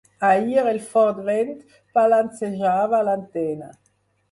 Ahir, el fort vent balancejava l'antena.